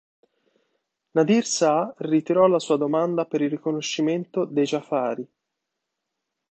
Nadir Shah ritirò la sua domanda per il riconoscimento dei Ja'fari.